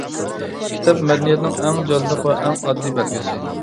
كىتاب مەدەنىيەتنىڭ ئەڭ جانلىق ۋە ئەڭ ئاددىي بەلگىسى.